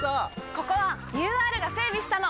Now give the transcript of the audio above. ここはＵＲが整備したの！